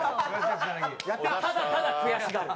ただただ悔しがる。